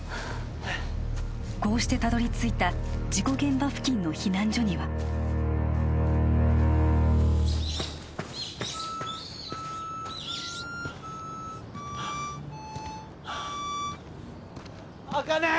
こうしてたどり着いた事故現場付近の避難所には茜！